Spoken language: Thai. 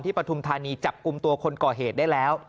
ปฐุมธานีจับกลุ่มตัวคนก่อเหตุได้แล้ว